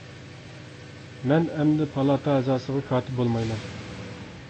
مەن ئەمدى پالاتا ئەزاسىغا كاتىپ بولمايمەن.